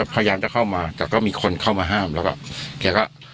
พยายามจะเข้ามาแต่ก็มีคนเข้ามาห้ามแล้วก็แกก็